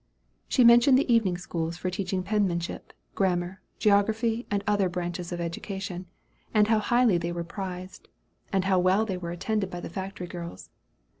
She mentioned the evening schools for teaching penmanship, grammar, geography, and other branches of education, and how highly they were prized, and how well they were attended by the factory girls.